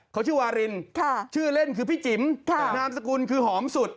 เขาชื่อวารินชื่อเล่นคือพี่จิ๋มนามสกุลคือหอมสุด